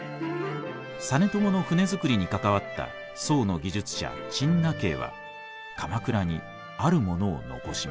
実朝の船づくりに関わった宋の技術者陳和は鎌倉にあるものを残しました。